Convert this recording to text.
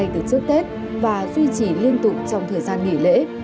từ trước tết và duy trì liên tục trong thời gian nghỉ lễ